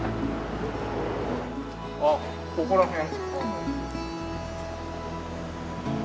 あっここら辺？